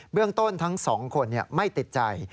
เรื่องต้นทั้งสองคนไม่ติดใจ